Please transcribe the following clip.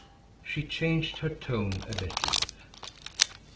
She changed her tone a little.